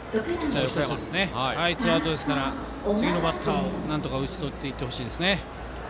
ツーアウトですから次のバッターをなんとか打ち取っていってほしいです。